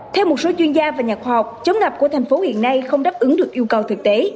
theo một số chuyên gia và nhà khoa học chống ngập của thành phố hiện nay không đáp ứng được yêu cầu thực tế